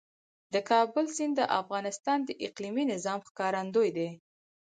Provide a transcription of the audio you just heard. د کابل سیند د افغانستان د اقلیمي نظام ښکارندوی ده.